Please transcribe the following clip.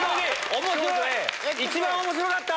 一番面白かった！